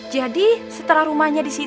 jadi setelah rumahnya disitah